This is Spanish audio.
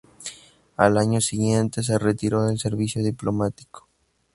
Al año siguiente, se retiró del servicio diplomático.